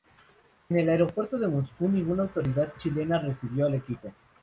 En el aeropuerto de Moscú ninguna autoridad chilena recibió al equipo.